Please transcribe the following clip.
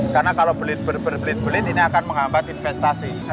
karena kalau berbelit belit ini akan menghambat investasi